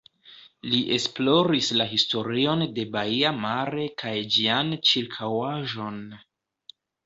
Li esploris la historion de baia Mare kaj ĝian ĉirkaŭaĵon.